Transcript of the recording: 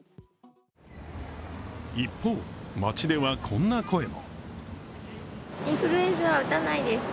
一方、街ではこんな声も。